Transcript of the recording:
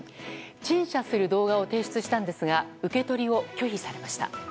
陳謝する動画を提出したんですが受け取りを拒否されました。